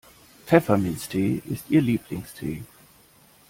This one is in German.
Pfefferminztee ist ihr Lieblingstee.